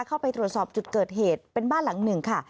เข้าไปตรวจสอบจุดเกิดเหตุเป็นบ้านหลังหนึ่งค่ะ